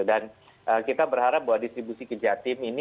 dan kita berharap bahwa distribusi ke jatim ini